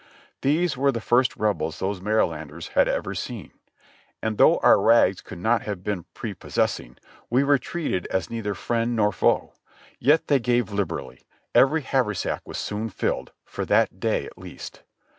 These were the first Rebels those Marylanders had ev^r seen, and though our rags could not have been prepossessing, we were treated as neither friend nor foe ; yet they gave liberally ; e\'ery haversack was soon filled, for that day at least.